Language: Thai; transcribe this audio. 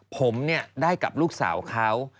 ผมได้กับลูกสาวเขา